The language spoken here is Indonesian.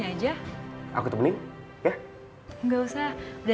nanti aku mau ke rumah